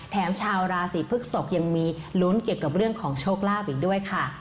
ชาวราศีพฤกษกยังมีลุ้นเกี่ยวกับเรื่องของโชคลาภอีกด้วยค่ะ